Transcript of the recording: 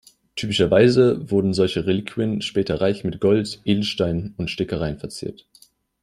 Typischerweise wurden solche Reliquien später reich mit Gold, Edelsteinen und Stickereien verziert.